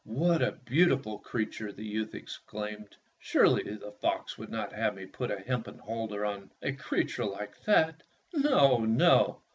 "What a beautiful crea ture !" the youth exclaimed. " Surely the fox would not have me put a hempen halter on a creature like that. No, no!"